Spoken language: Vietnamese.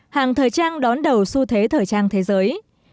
hàng thời trang đón đầu xu thế thời trang thế giới